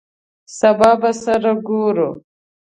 سبا به سره ګورو !